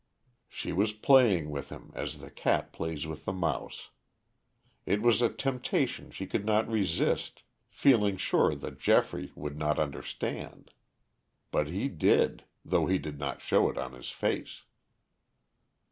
She was playing with him as the cat plays with the mouse. It was a temptation she could not resist, feeling sure that Geoffrey would not understand. But he did, though he did not show it on his face.